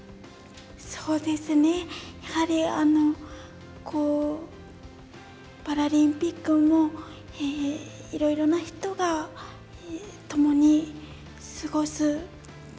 やはりパラリンピックもいろいろな人がともに過ごす。